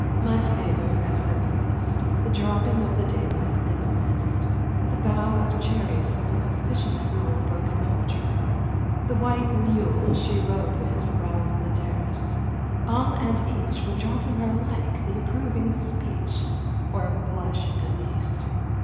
My favour at her breast, The dropping of the daylight in the West, The bough of cherries some officious fool Broke in the orchard for her, the white mule She rode with round the terrace all and each Would draw from her alike the approving speech, 30 Or blush, at least.